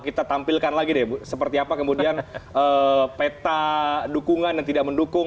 kita tampilkan lagi deh seperti apa kemudian peta dukungan dan tidak mendukung